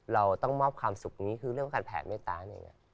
เราต้องมอบความสุขนี้คือเรียกว่าการแผ่ไม่ต้าน